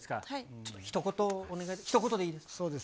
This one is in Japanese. ちょっとひと言、ひと言でいいです。